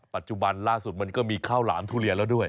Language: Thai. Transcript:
ปัจจุบันล่าสุดมันก็มีข้าวหลามทุเรียนแล้วด้วย